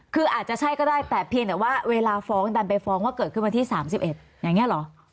คืออาจจะใช่ก็ได้แต่เพียงแต่ว่าเวลาฟ้องดันไปฟ้องว่าเกิดขึ้นวันที่๓๑อย่างนี้เหรอ